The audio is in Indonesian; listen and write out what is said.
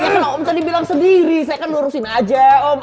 tapi kalau om tadi bilang sendiri saya kan lurusin aja om